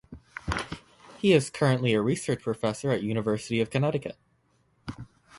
He is currently a research professor at University of Connecticut.